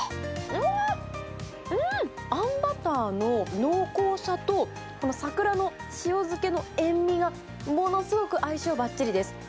うわっ、うーん、あんバターの濃厚さと、桜の塩漬けの塩味がものすごく相性ばっちりです。